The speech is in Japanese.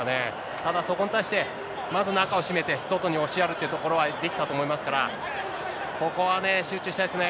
ただ、そこに対してまず中を占めて、外に押しやるというところはできたと思いますから、ここはね、集中したいですね。